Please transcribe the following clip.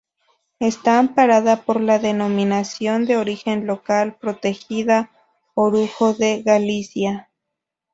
Está amparada por la denominación de origen local protegida Orujo de Galicia.